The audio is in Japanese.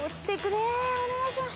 お願いします